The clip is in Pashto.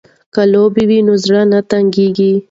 که لوبه وي نو زړه نه تنګیږي.